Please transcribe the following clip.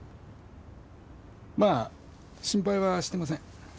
まあ心配はしてません。